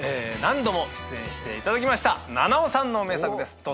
何度も出演していただきました菜々緒さんの名作です。